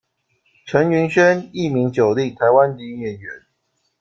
陈昀萱，艺名酒令，台湾女演员。